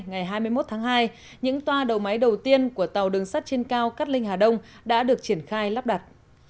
ngày hai mươi một tháng hai những toa đầu máy đầu tiên của tàu đường sắt trên cao cát linh hà đông đã được triển khai lắp đặt